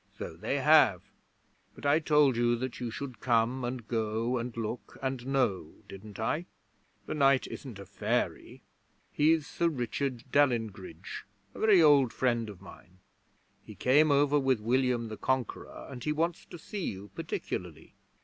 'So they have; but I told you that you should come and go and look and know, didn't I? The knight isn't a fairy. He's Sir Richard Dalyngridge, a very old friend of mine. He came over with William the Conqueror, and he wants to see you particularly.'